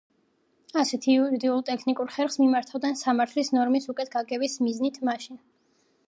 ასეთ იურიდიულ-ტექნიკურ ხერხს მიმართავდნენ სამართლის ნორმის უკეთ გაგების მიზნით მაშინ